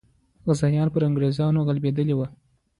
غازیان پر انګریزانو غالبېدلې وو.